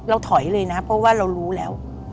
ถอยเลยนะเพราะว่าเรารู้แล้ว